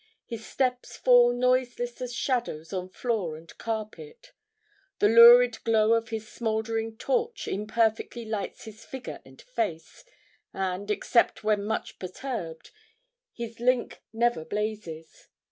His steps fall noiseless as shadows on floor and carpet. The lurid glow of his smouldering torch imperfectly lights his figure and face, and, except when much perturbed, his link never blazes.